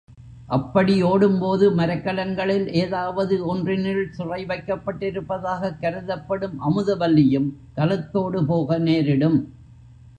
அப்படி ஓடும்போது மரக்கலங்களில் ஏதாவது ஒன்றினுள் சிறை வைக்கப்பட்டிருப்பதாகக் கருதப்படும் அமுதவல்லியும் கலத்தோடு போக நேரிடும்.